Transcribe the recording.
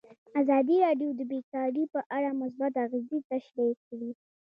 ازادي راډیو د بیکاري په اړه مثبت اغېزې تشریح کړي.